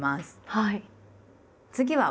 はい。